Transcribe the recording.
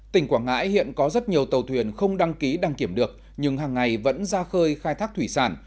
tỉnh quảng ngãi hiện có rất nhiều tàu thuyền không đăng ký đăng kiểm được nhưng hàng ngày vẫn ra khơi khai thác thủy sản